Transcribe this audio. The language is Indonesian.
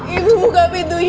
ibu buka pintunya ibu